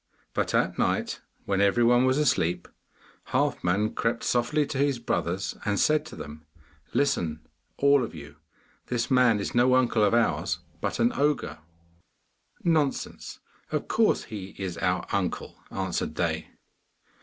But at night, when every one was asleep, Halfman crept softly to his brothers, and said to them, 'Listen, all of you! This man is no uncle of ours, but an ogre.' 'Nonsense; of course he is our uncle,' answered they.